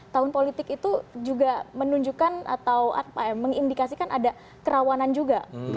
tahun politik itu juga menunjukkan atau mengindikasikan ada kerawanan juga